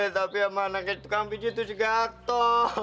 tapi sama anaknya tukang biji tuh juga akto